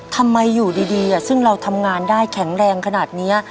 ทำไมอยู่ดีซึ่งเราทำงานได้แข็งแรงขนาดนี้